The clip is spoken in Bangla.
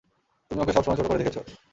তুমি ওকে সবসময় ছোট করে দেখেছ।